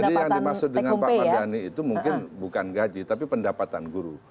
jadi yang dimaksud dengan pak mardani itu mungkin bukan gaji tapi pendapatan guru